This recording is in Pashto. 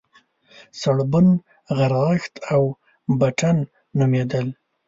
سړبن، غرغښت او بټن نومېدل.